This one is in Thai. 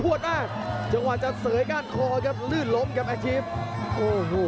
พยายามจะไถ่หน้านี่ครับการต้องเตือนเลยครับ